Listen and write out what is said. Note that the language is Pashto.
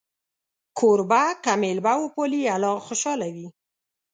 کوربه که میلمه وپالي، الله خوشحاله وي.